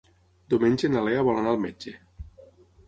Diumenge na Lea vol anar al metge.